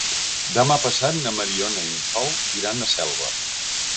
Demà passat na Mariona i en Sol iran a Selva.